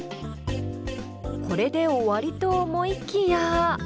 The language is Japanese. これで終わりと思いきや。